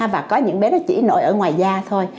và có những bé nó chỉ nổi ở ngoài da thôi